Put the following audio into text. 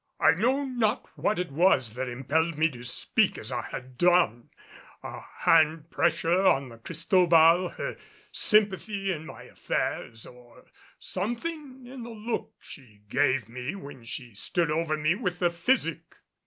I know not what it was that impelled me to speak as I had done, a hand pressure on the Cristobal, her sympathy in my affairs or something in the look she gave me when she stood over me with the physic.